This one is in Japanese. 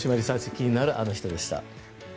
気になるアノ人でした。